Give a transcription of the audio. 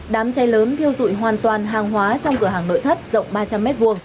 đám cháy lớn thiêu dụi hoàn toàn hàng hóa trong cửa hàng nội thất rộng ba trăm linh m hai